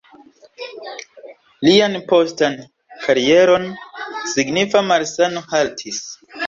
Lian postan karieron signifa malsano haltis.